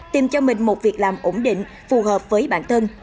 tìm cho mình một việc làm ổn định phù hợp với bản thân